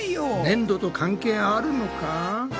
ねんどと関係あるのか？